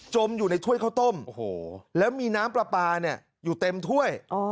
มอยู่ในถ้วยข้าวต้มแล้วมีน้ำปลาปลาอยู่เต็มถ้วย